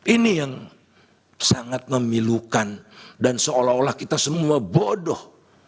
ini yang sangat memilukan dan seolah olah kita semua bodoh